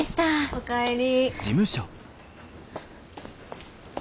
お帰り。